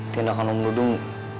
tindakan om dudung